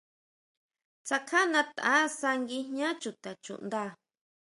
Tsakjajnataʼsa guijñá chuta chuʼnda.